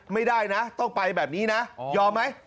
ไม่ได้นะต้องไปแบบนี้นะยอมไหม